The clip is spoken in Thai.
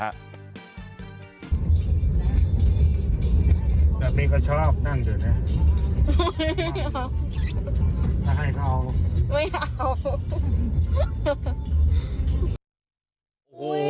แบบนี้ก็ชอบนั่งเดี๋ยวนะ